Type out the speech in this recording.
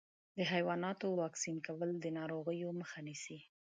د حیواناتو واکسین کول د ناروغیو مخه نیسي.